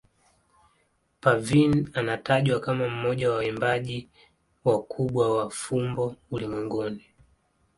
Parveen anatajwa kama mmoja wa waimbaji wakubwa wa fumbo ulimwenguni.